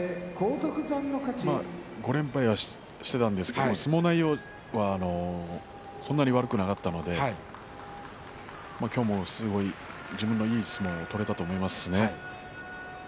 ５連敗していたんですが相撲内容はそんなに悪くなかったので今日もすごい、自分のいい相撲を取れたと思います。